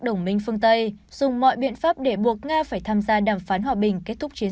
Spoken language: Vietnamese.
đồng minh phương tây dùng mọi biện pháp để buộc nga phải tham gia đàm phán hòa bình kết thúc chiến